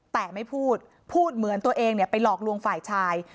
แต่ไม่พูดพูดเหมือนตัวเองไปหลอกลวงฝ่ายชาย